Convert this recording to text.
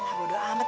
nah bodo amat